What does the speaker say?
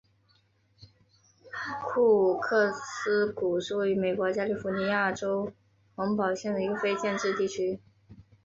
库克斯谷是位于美国加利福尼亚州洪堡县的一个非建制地区。